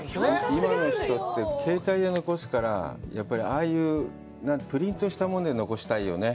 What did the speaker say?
今の人って携帯で残すから、ああいうプリントしたもので残したいよね。